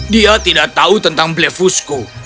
dia tidak tahu tentang blefusku